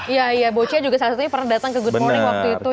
iya bochia juga salah satunya pernah datang ke good morning waktu itu ya